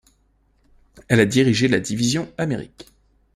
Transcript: Elle a dirigé la division Amériques.